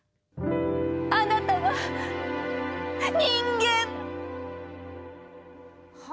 あなたは人間！